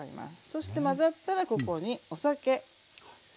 そして混ざったらここにお酒。